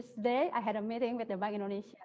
saya sedang berjumpa dengan staf bank indonesia